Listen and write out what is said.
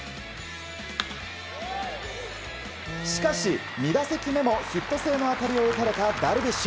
しかし、２打席目もヒット性の当たりを打たれたダルビッシュ。